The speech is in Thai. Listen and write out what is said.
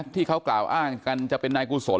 ที่เขากล่าวอ้างกันจะเป็นนายกุศล